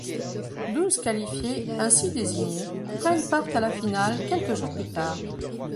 Douze qualifiés ainsi désignés prennent part à la finale quelques jours plus tard.